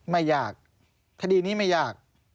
ไม่ยากคดีนี้ไม่ยาก